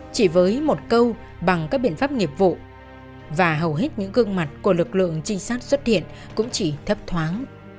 chỉ với một câu bằng các biện pháp nghiệp vụ và hầu hết những gương mặt của lực lượng trinh sát xuất hiện cũng chỉ thấp thoáng